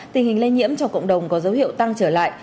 tình hình lây nhiễm cho cộng đồng có dấu hiệu tăng trở lại